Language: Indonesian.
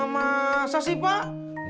masa sih pak